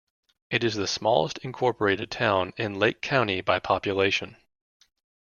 It is the smallest incorporated town in Lake County by population.